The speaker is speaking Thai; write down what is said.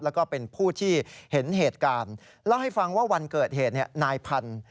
แล้วก็เป็นผู้ที่เห็นเหตุการณ์เล่าให้ฟังว่าวันเกิดเหตุนายพันธุ์